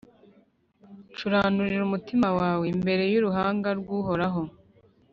curanurira umutima wawe imbere y’uruhanga rw’Uhoraho